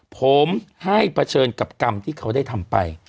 ผมให้เผชิญกับกรรมที่เขาได้ทำไป